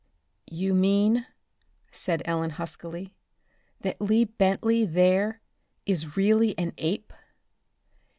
"You mean," said Ellen huskily, "that Lee Bentley there is really an ape?"